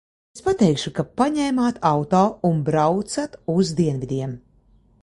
Es pateikšu, ka paņēmāt auto un braucat uz dienvidiem.